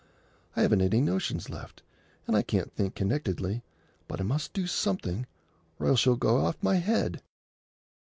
I haven't any notions left, and I can't think connectedly, but I must do something, or I shall go off my head."